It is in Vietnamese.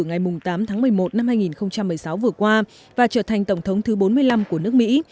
ngày tám tháng một mươi một năm hai nghìn một mươi sáu vừa qua và trở thành tổng thống thứ bốn mươi năm của nước mỹ